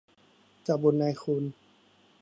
เจ้าบุญนายคุณ